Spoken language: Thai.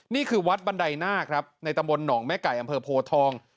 นี่คือวัดบันไดหน้าครับในตำบลหนองแม่ไก่อำเภอโพทอง